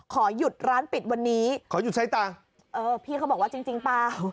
ขอหยุดร้านปิดวันนี้พี่เขาบอกว่าจริงเปล่า